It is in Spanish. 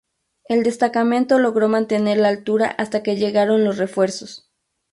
El destacamento logró mantener la altura hasta que llegaron los refuerzos.